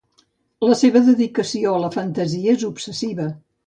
La seva dedicació a la fantasia és obsessiva.